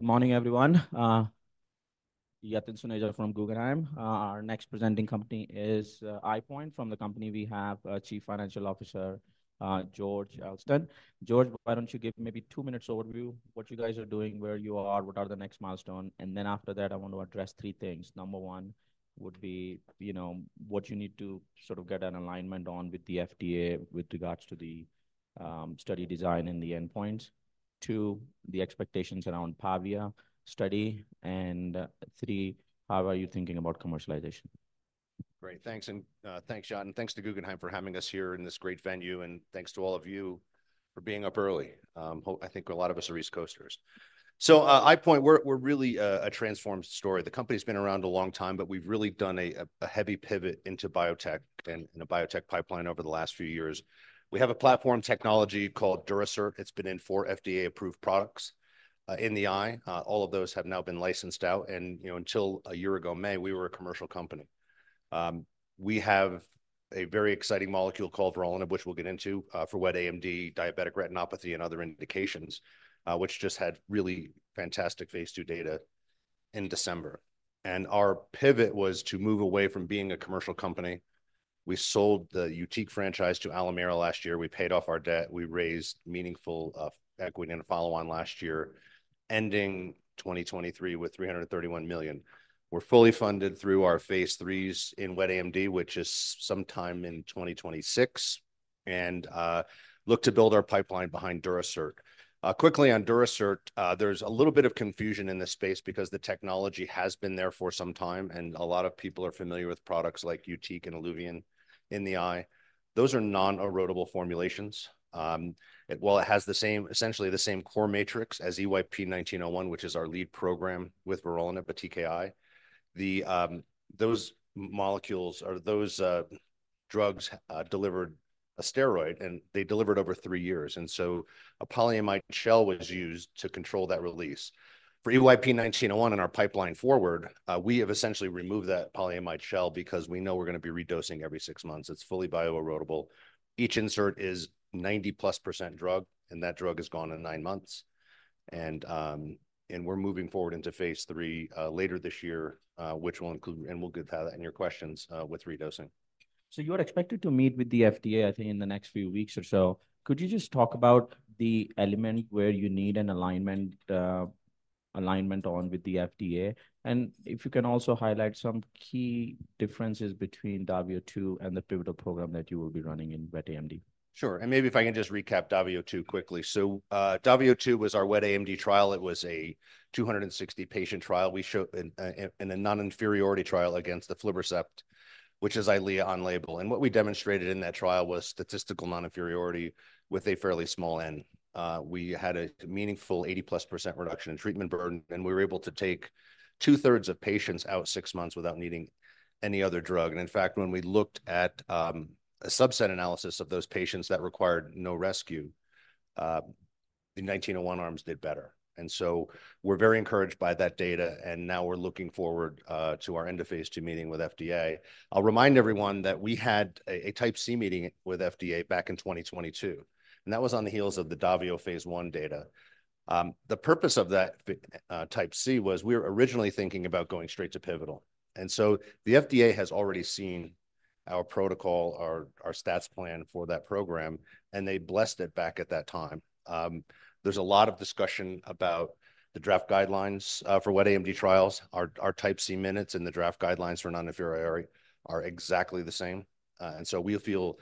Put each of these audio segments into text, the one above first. Good morning, everyone. Yatin Suneja from Guggenheim. Our next presenting company is EyePoint. From the company, we have Chief Financial Officer George Elston. George, why don't you give maybe two minutes overview, what you guys are doing, where you are, what are the next milestone? And then after that, I want to address three things. Number one would be, you know, what you need to sort of get an alignment on with the FDA with regards to the study design and the endpoints. Two, the expectations around PAVIA study. And three, how are you thinking about commercialization? Great. Thanks, and thanks, Yatin, and thanks to Guggenheim for having us here in this great venue, and thanks to all of you for being up early. I think a lot of us are East Coasters. So, EyePoint, we're really a transformed story. The company's been around a long time, but we've really done a heavy pivot into biotech and a biotech pipeline over the last few years. We have a platform technology called Durasert. It's been in four FDA-approved products in the eye. All of those have now been licensed out, and, you know, until a year ago May, we were a commercial company. We have a very exciting molecule called vorolanib, which we'll get into, for wet AMD, diabetic retinopathy, and other indications, which just had really fantastic Phase II data in December. Our pivot was to move away from being a commercial company. We sold the YUTIQ franchise to Alimera last year. We paid off our debt. We raised meaningful equity in a follow-on last year, ending 2023 with $331 million. We're fully funded through our phase IIIs in wet AMD, which is sometime in 2026, and look to build our pipeline behind Durasert. Quickly on Durasert, there's a little bit of confusion in this space because the technology has been there for some time, and a lot of people are familiar with products like YUTIQ and ILUVIEN in the eye. Those are non-erodible formulations. While it has essentially the same core matrix as EYP-1901, which is our lead program with vorolanib, a TKI, those molecules or those drugs delivered a steroid, and they delivered over three years, and so a polyamide shell was used to control that release. For EYP-1901 and our pipeline forward, we have essentially removed that polyamide shell because we know we're gonna be redosing every six months. It's fully bio-erodible. Each insert is 90+% drug, and that drug is gone in nine months. And, and we're moving forward into phase III later this year, which will include, and we'll get to that in your questions, with redosing. So you're expected to meet with the FDA, I think, in the next few weeks or so. Could you just talk about the element where you need an alignment on with the FDA? And if you can also highlight some key differences between DAVIO2 and the pivotal program that you will be running in wet AMD. Sure. And maybe if I can just recap DAVIO2 quickly. So, DAVIO2 was our wet AMD trial. It was a 260-patient trial. We showed in a non-inferiority trial against the aflibercept, which is Eylea on label. And what we demonstrated in that trial was statistical non-inferiority with a fairly small N. We had a meaningful 80%+ reduction in treatment burden, and we were able to take two-thirds of patients out six months without needing any other drug. And in fact, when we looked at a subset analysis of those patients that required no rescue, the 1901 arms did better. And so we're very encouraged by that data, and now we're looking forward to our end-of-Phase II meeting with FDA. I'll remind everyone that we had a Type C meeting with FDA back in 2022, and that was on the heels of the DAVIO Phase I data. The purpose of that Type C was we were originally thinking about going straight to pivotal, and so the FDA has already seen our protocol, our stats plan for that program, and they blessed it back at that time. There's a lot of discussion about the draft guidelines for wet AMD trials. Our Type C minutes and the draft guidelines for non-inferiority are exactly the same, and so we feel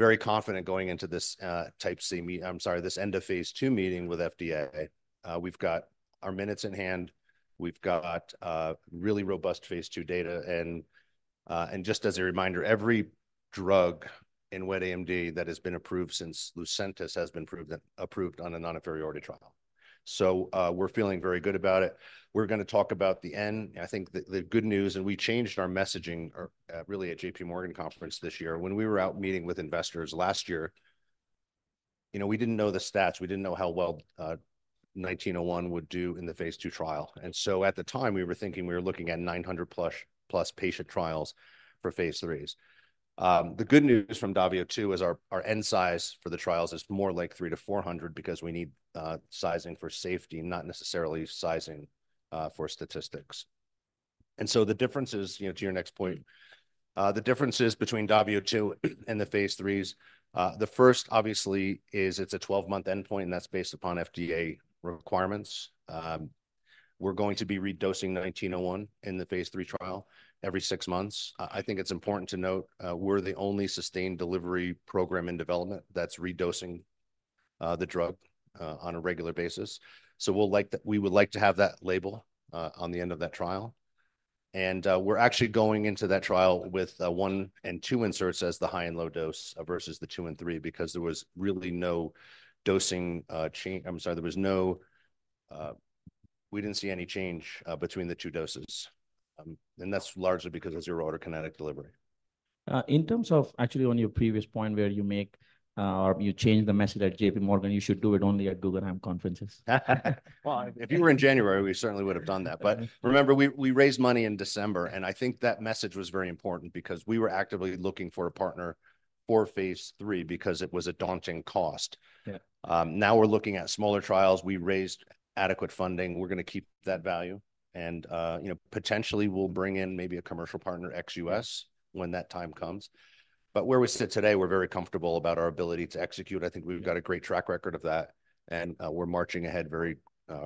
very confident going into this end-of-Phase II meeting with FDA. We've got our minutes in hand. We've got really robust phase II data, and just as a reminder, every drug in wet AMD that has been approved since Lucentis has been approved on a non-inferiority trial. So, we're feeling very good about it. We're gonna talk about the N. I think the good news, and we changed our messaging really at J.P. Morgan conference this year. When we were out meeting with investors last year, you know, we didn't know the stats. We didn't know how well 1901 would do in the phase II trial. And so at the time, we were thinking we were looking at 900+ patient trials for Phase IIIs. The good news from DAVIO2 is our, our N size for the trials is more like 300-400 because we need sizing for safety, not necessarily sizing for statistics. And so the difference is, you know, to your next point, the differences between DAVIO2 and the Phase IIIs, the first, obviously, is it's a 12-month endpoint, and that's based upon FDA requirements. We're going to be redosing 1901 in the phase III trial every six months. I think it's important to note, we're the only sustained delivery program in development that's redosing the drug on a regular basis. So we'll we would like to have that label on the end of that trial. We're actually going into that trial with one and two inserts as the high and low dose versus the two and three, because there was really no dosing change. We didn't see any change between the two doses, and that's largely because of zero-order kinetic delivery. In terms of actually on your previous point where you make, or you change the message at J.P. Morgan, you should do it only at Guggenheim and conferences. Well, if you were in January, we certainly would have done that. But remember, we raised money in December, and I think that message was very important because we were actively looking for a partner for phase three, because it was a daunting cost. Yeah. Now we're looking at smaller trials. We raised adequate funding. We're going to keep that value, and, you know, potentially we'll bring in maybe a commercial partner ex-U.S. when that time comes. But where we sit today, we're very comfortable about our ability to execute. I think we've got a great track record of that, and, we're marching ahead very,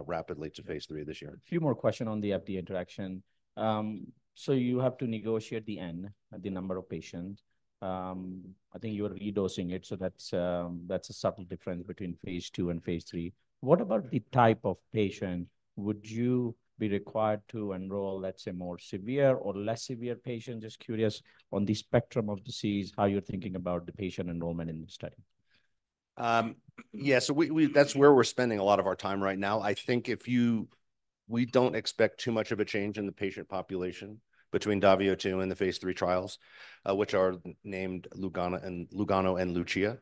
rapidly to Phase III this year. A few more questions on the FDA interaction. So you have to negotiate the N, the number of patients. I think you're re-dosing it, so that's, that's a subtle difference between Phase II and Phase III. What about the type of patient would you be required to enroll, let's say, more severe or less severe patients? Just curious on the spectrum of disease, how you're thinking about the patient enrollment in the study. Yeah, so that's where we're spending a lot of our time right now. I think we don't expect too much of a change in the patient population between DAVIO2 and the Phase III trials, which are named LUGANO and LUCIA.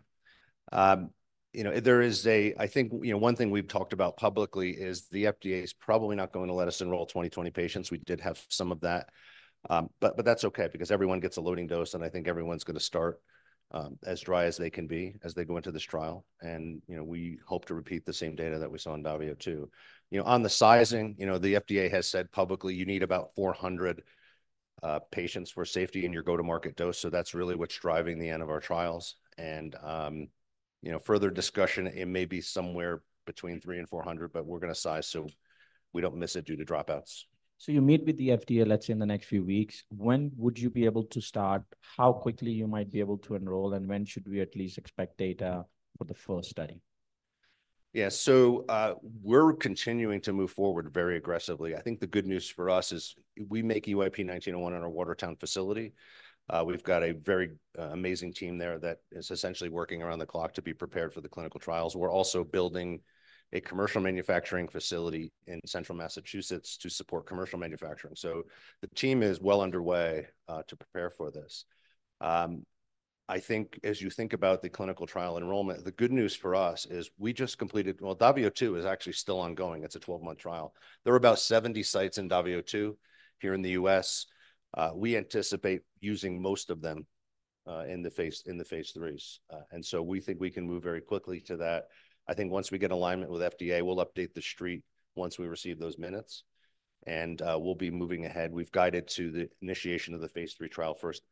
You know, there is, I think, you know, one thing we've talked about publicly is the FDA is probably not going to let us enroll 20/20 patients. We did have some of that, but that's okay because everyone gets a loading dose, and I think everyone's going to start as dry as they can be as they go into this trial. You know, we hope to repeat the same data that we saw in DAVIO2. You know, on the sizing, you know, the FDA has said publicly, you need about 400 patients for safety in your go-to-market dose. So that's really what's driving the N of our trials. You know, further discussion, it may be somewhere between 300 and 400, but we're going to size, so we don't miss it due to dropouts. So you meet with the FDA, let's say in the next few weeks, when would you be able to start, how quickly you might be able to enroll, and when should we at least expect data for the first study? Yeah. So, we're continuing to move forward very aggressively. I think the good news for us is we make EYP-1901 in our Watertown facility. We've got a very amazing team there that is essentially working around the clock to be prepared for the clinical trials. We're also building a commercial manufacturing facility in central Massachusetts to support commercial manufacturing. So the team is well underway to prepare for this. I think as you think about the clinical trial enrollment, the good news for us is we just completed. DAVIO2 is actually still ongoing. It's a 12-month trial. There are about 70 sites in DAVIO2 here in the U.S. We anticipate using most of them in the phase, in the Phase IIIs. And so we think we can move very quickly to that. I think once we get alignment with FDA, we'll update the street once we receive those minutes, and, we'll be moving ahead. We've guided to the initiation of the Phase III trial first,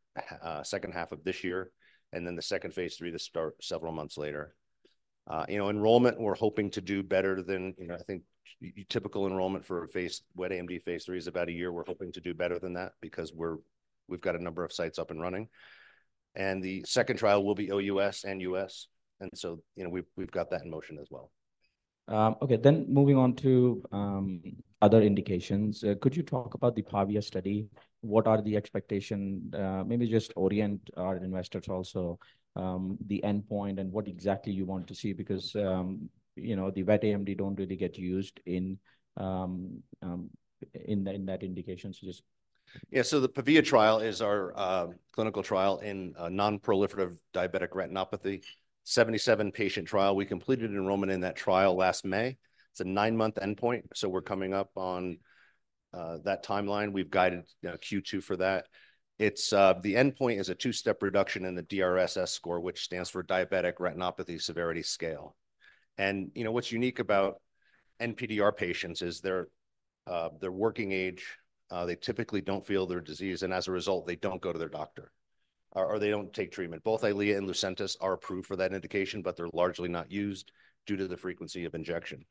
second half of this year, and then the second phase III to start several months later. You know, enrollment, we're hoping to do better than, you know, I think typical enrollment for a phase wet AMD phase III is about a year. We're hoping to do better than that because we've got a number of sites up and running, and the second trial will be OUS and US, and so, you know, we've got that in motion as well. Okay, then moving on to other indications. Could you talk about the PAVIA study? What are the expectation? Maybe just orient our investors also, the endpoint and what exactly you want to see, because, you know, the wet AMD don't really get used in, in that indication. Yeah, so the PAVIA trial is our clinical trial in non-proliferative diabetic retinopathy, 77-patient trial. We completed enrollment in that trial last May. It's a nine-month endpoint, so we're coming up on that timeline. We've guided, you know, Q2 for that. It's the endpoint is a two-step reduction in the DRSS score, which stands for Diabetic Retinopathy Severity Scale. You know, what's unique about NPDR patients is they're working age, they typically don't feel their disease, and as a result, they don't go to their doctor or they don't take treatment. Both Eylea and Lucentis are approved for that indication, but they're largely not used due to the frequency of injection.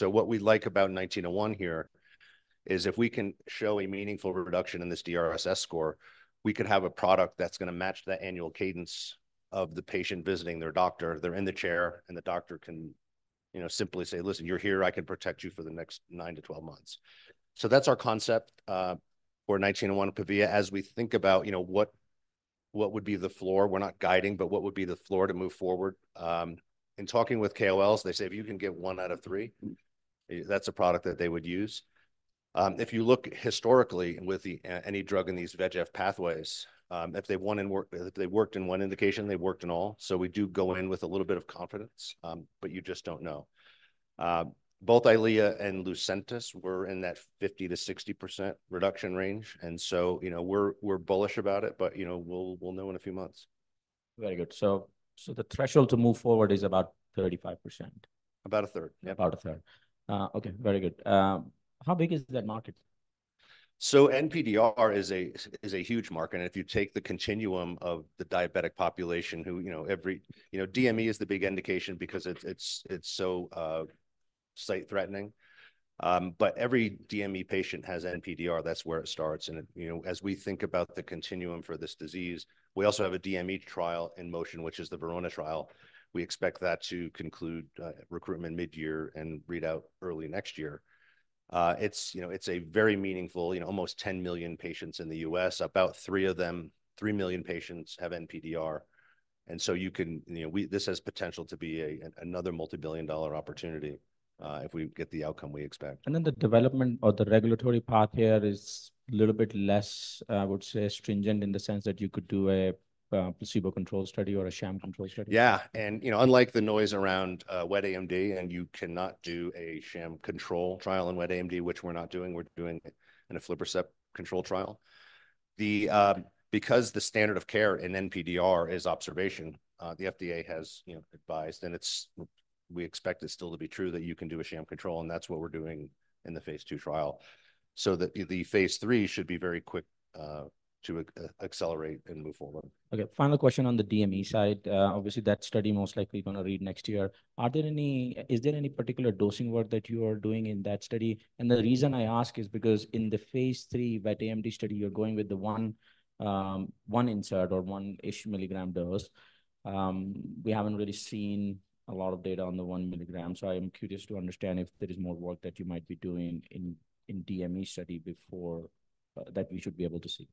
What we like about 1901 here is if we can show a meaningful reduction in this DRSS score, we could have a product that's going to match the annual cadence of the patient visiting their doctor. They're in the chair, and the doctor can, you know, simply say, "Listen, you're here. I can protect you for the next 9-12 months." So that's our concept for 1901 PAVIA. As we think about, you know, what would be the floor, we're not guiding, but what would be the floor to move forward? In talking with KOLs, they say if you can get one out of three, that's a product that they would use. If you look historically with the any drug in these VEGF pathways, if they worked in one indication, they've worked in all. So we do go in with a little bit of confidence, but you just don't know. Both Eylea and Lucentis were in that 50%-60% reduction range, and so, you know, we're bullish about it, but you know, we'll know in a few months. Very good. So the threshold to move forward is about 35%? About a third, yeah. About a third. Okay, very good. How big is that market? So NPDR is a huge market. And if you take the continuum of the diabetic population, you know, every You know, DME is the big indication because it's so sight threatening. But every DME patient has NPDR. That's where it starts. And, you know, as we think about the continuum for this disease, we also have a DME trial in motion, which is the VERONA trial. We expect that to conclude recruitment mid-year and read out early next year. It's, you know, it's a very meaningful, you know, almost 10 million patients in the U.S., about three of them, three million patients, have NPDR. And so you can, you know, this has potential to be a another multibillion-dollar opportunity, if we get the outcome we expect. The development or the regulatory path here is a little bit less, I would say, stringent, in the sense that you could do a placebo-controlled study or a sham control study? Yeah. And, you know, unlike the noise around wet AMD, and you cannot do a sham control trial in wet AMD, which we're not doing, we're doing it in an aflibercept control trial. The, because the standard of care in NPDR is observation, the FDA has, you know, advised, and it's. We expect it still to be true, that you can do a sham control, and that's what we're doing in the phase II trial. So the Phase III should be very quick to accelerate and move forward. Okay, final question on the DME side. Obviously, that study most likely gonna read next year. Is there any particular dosing work that you are doing in that study? And the reason I ask is because in the Phase III wet AMD study, you're going with the 1, 1-ish milligram dose. We haven't really seen a lot of data on the 1mg, so I am curious to understand if there is more work that you might be doing in DME study before that we should be able to see.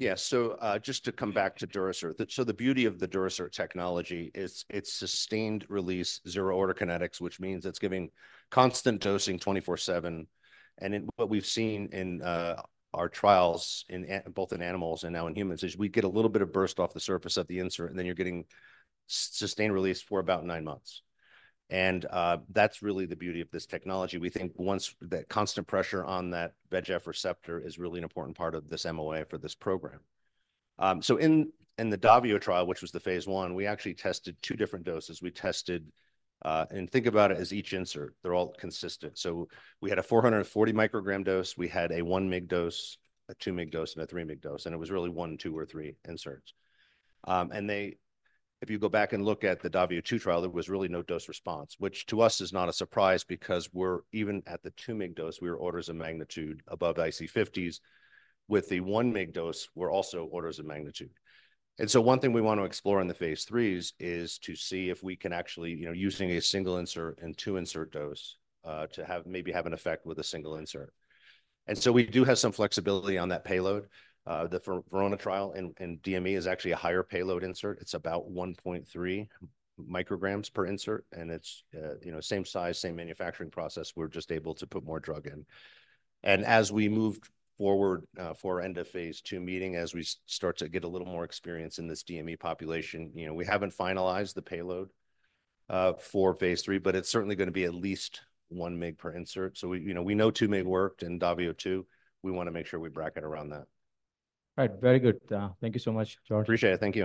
Yeah. So just to come back to Durasert. So the beauty of the Durasert technology is it's sustained release zero-order kinetics, which means it's giving constant dosing 24/7. And in what we've seen in our trials, in both in animals and now in humans, is we get a little bit of burst off the surface of the insert, and then you're getting sustained release for about nine months. And that's really the beauty of this technology. We think once that constant pressure on that VEGF receptor is really an important part of this MOA for this program. So in the DAVIO trial, which was the Phase I, we actually tested two different doses. We tested, and think about it as each insert, they're all consistent. So we had a 440 microgram dose, we had a 1mg dose, a 2mg dose, and a 3mg dose, and it was really one, two, or three inserts. And they, if you go back and look at the DAVIO 2 trial, there was really no dose response, which to us is not a surprise, because we're even at the 2mg dose, we were orders of magnitude above IC50s. With the 1mg dose, we're also orders of magnitude. And so one thing we want to explore in the phase III is to see if we can actually, you know, using a single insert and two insert dose, to have, maybe have an effect with a single insert. And so we do have some flexibility on that payload. The VERONA trial in DME is actually a higher payload insert. It's about 1.3mg per insert, and it's, you know, same size, same manufacturing process, we're just able to put more drug in. And as we move forward, for end of phase II meeting, as we start to get a little more experience in this DME population, you know, we haven't finalized the payload, for phase III, but it's certainly gonna be at least 1mg per insert. So we, you know, we know 2mg worked in DAVIO2. We wanna make sure we bracket around that. All right. Very good, thank you so much, George. Appreciate it. Thank you.